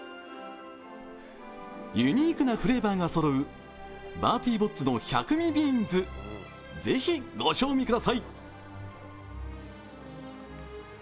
ユニークなフレーバーがそろうバーティー・ボッツの百味ビーンズ、ぜひ御賞味ください。